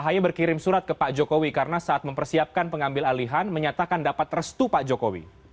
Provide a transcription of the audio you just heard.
ahy berkirim surat ke pak jokowi karena saat mempersiapkan pengambil alihan menyatakan dapat restu pak jokowi